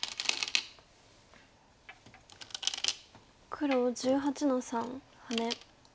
黒１８の三ハネ。